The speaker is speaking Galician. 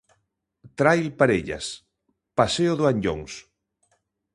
Trail parellas: paseo do Anllóns.